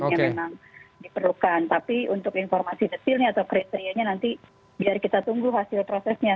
tapi untuk informasi detilnya atau kriterianya nanti biar kita tunggu hasil prosesnya